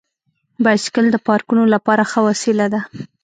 بایسکل د پارکونو لپاره ښه وسیله ده.